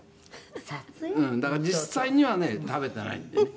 「だから実際にはね食べていないんだよね」